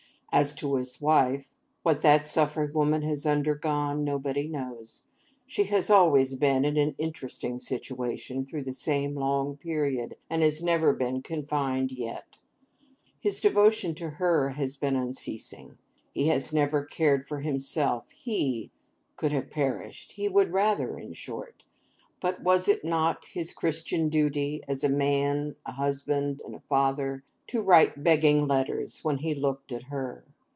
As to his wife, what that suffering woman has undergone, nobody knows. She has always been in an interesting situation through the same long period, and has never been confined yet. His devotion to her has been unceasing. He has never cared for himself; he could have perished—he would rather, in short—but was it not his Christian duty as a man, a husband, and a father,—to write begging letters when he looked at her?